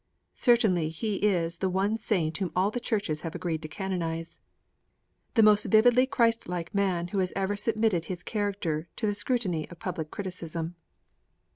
Certainly he is the one saint whom all the churches have agreed to canonize; the most vividly Christlike man who has ever submitted his character to the scrutiny of public criticism.